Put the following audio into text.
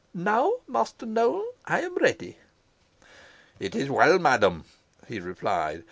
"Now, Master Nowell, I am ready." "It is well, madam," he replied.